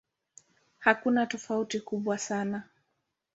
Hakuna tofauti kubwa sana.